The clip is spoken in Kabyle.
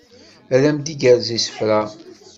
Ad am d-igerrez isefra